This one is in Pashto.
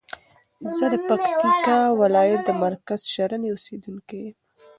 زه د پکتیکا ولایت د مرکز شرنی اوسیدونکی یم.